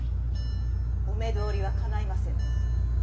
お目通りはかないませぬ。